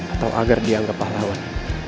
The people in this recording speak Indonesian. atau agar dianggap pahlawan